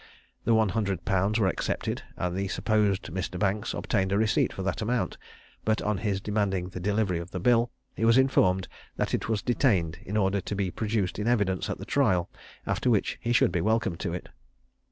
The one hundred pounds were accepted, and the supposed Mr. Banks obtained a receipt for that amount; but on his demanding the delivery of the bill, he was informed that it was detained in order to be produced in evidence at the trial, after which he should be welcome to it.